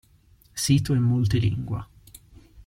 Sito in multilingua.